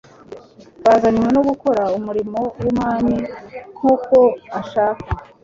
buzanyve no gukora umurimo w'Umwami nk'uko ashaka.